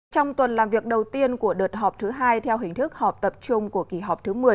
trong tuần làm việc đầu tiên của đợt họp thứ hai theo hình thức họp tập trung của kỳ họp thứ một mươi